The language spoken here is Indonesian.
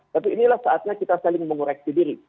tapi inilah saatnya kita saling mengoreksi diri